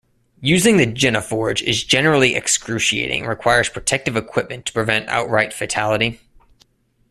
Using the Geneforge is generally excruciating and requires protective equipment to prevent outright fatality.